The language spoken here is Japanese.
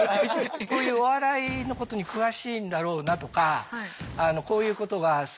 こういうお笑いのことに詳しいんだろうなとかこういうことが好きなんだろうなとか